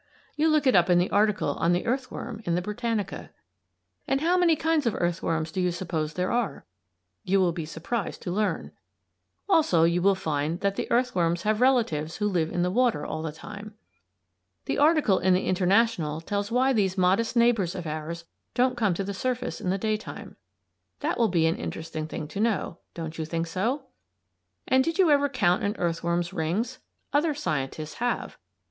You look it up in the article on the earthworm in the "Britannica." And how many kinds of earthworms do you suppose there are? You will be surprised to learn. Also, you will find that the earthworms have relatives who live in the water all the time. The article in the "International" tells why these modest neighbors of ours don't come to the surface in the daytime. That will be an interesting thing to know. Don't you think so? And did you ever count an earthworm's rings? Other scientists have.